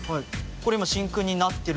これ今真空になってる？